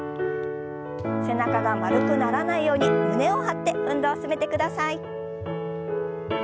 背中が丸くならないように胸を張って運動を進めてください。